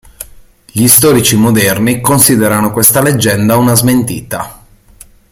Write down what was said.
Gli storici moderni considerano questa legenda una smentita.